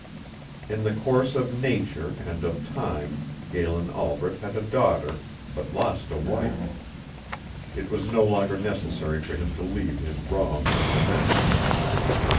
In the course of nature and of time Galen Albret had a daughter, but lost a wife. It was no longer necessary for him to leave his wrong unavenged.